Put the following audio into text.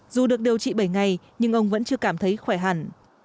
dù được điều trị bảy ngày nhưng ông vẫn chưa cảm thấy khỏe hẳn